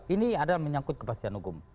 ini adalah menyangkut kepastian hukum